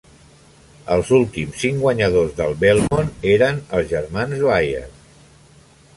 Els últims cinc guanyadors del Belmont eren els germans Dwyer.